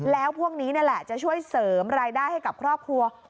แล้วพวกนี้นี่แหละจะช่วยเสริมรายได้ให้กับครอบครัว